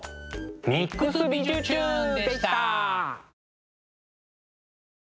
「ＭＩＸびじゅチューン！」でした。